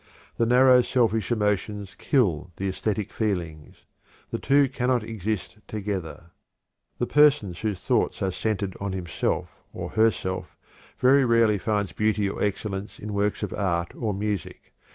The narrow, selfish emotions kill the æsthetic feelings the two cannot exist together. The person whose thoughts are centered on himself or herself very rarely finds beauty or excellence in works of art or music.